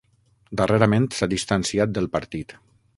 Darrerament s'ha distanciat del partit.